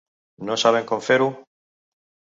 No saben com fer-ho?